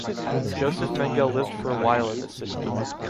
Josef Mengele lived for a while in this city.